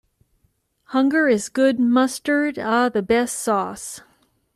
Hunger is good mustard â the best sauce.